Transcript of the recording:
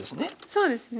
そうですね。